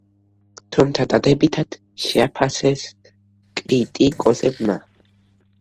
თუმცა დადებითად შეაფასეს კრიტიკოსებმა.